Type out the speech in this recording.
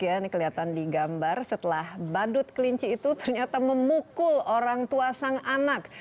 ini kelihatan di gambar setelah badut kelinci itu ternyata memukul orang tua sang anak